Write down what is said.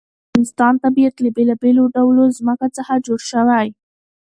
د افغانستان طبیعت له بېلابېلو ډولو ځمکه څخه جوړ شوی دی.